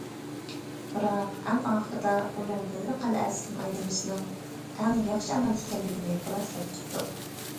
بىراق ئەڭ ئاخىرىدا ئۇنىڭ بۆرە قەلئەسىدىن ئايرىلىشىنىڭ ئەڭ ياخشى ئامال ئىكەنلىكىنى خۇلاسىلەپ چىقتۇق.